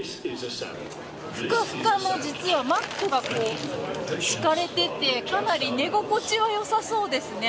ふかふかのマットが敷かれていてかなり寝心地はよさそうですね。